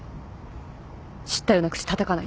知ったような口たたかないで。